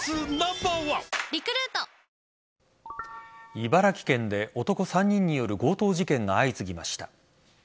茨城県で男３人による強盗事件が相次ぎました。